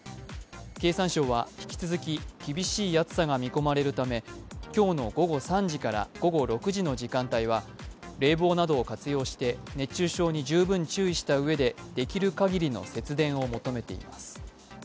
経産省は引き続き厳しい暑さが見込まれるため今日の午後３時から午後６時の時間帯は冷房などを活用して熱中症に十分注意したうえでできる限りの節電を求めています。